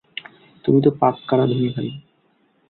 তুমি তো পাক্কা রাঁধুনি ভাই।